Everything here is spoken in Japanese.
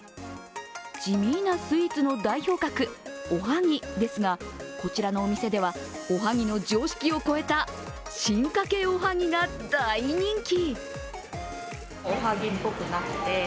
地味なスイーツの代表格、おはぎですがこちらのお店では、おはぎの常識を超えた進化系おはぎが大人気。